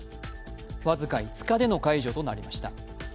僅か５日での解除となりました。